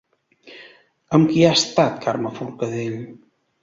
Amb qui ha estat Carme Forcadell?